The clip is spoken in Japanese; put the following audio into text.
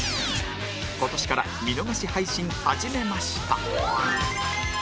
今年から見逃し配信始めました